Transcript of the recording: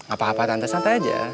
apa apa santai santai aja